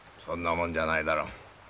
そんなもんじゃないだろう。